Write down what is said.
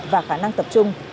và khả năng tập trung